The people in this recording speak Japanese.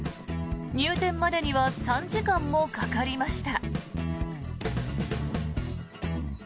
入店までには３時間もかかりました。